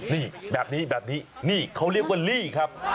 นี่แบบนี้แบบนี้นี่เขาเรียกว่าลี่ครับ